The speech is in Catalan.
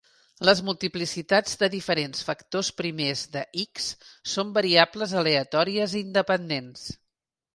Les multiplicitats de diferents factors primers de "X" són variables aleatòries independents.